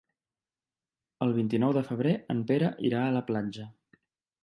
El vint-i-nou de febrer en Pere irà a la platja.